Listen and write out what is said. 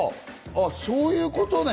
あ、そういうことね。